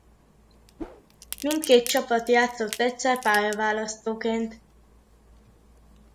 Mindkét csapat játszott egyszer pályaválasztóként.